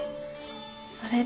それで。